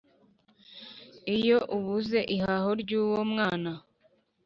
Iyo ubuze ihaho ry’uwo mwana